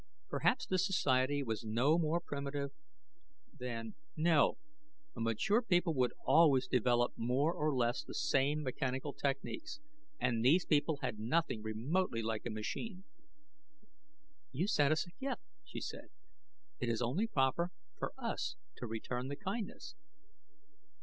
Perhaps this society was no more primitive than No! A mature people would always develop more or less the same mechanical techniques, and these people had nothing remotely like a machine. "You sent us a gift," she said. "It is only proper for us to return the kindness."